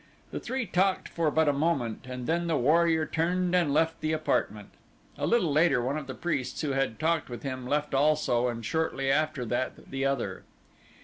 The three talked for but a moment and then the warrior turned and left the apartment. A little later one of the priests who had talked with him left also and shortly after that the other.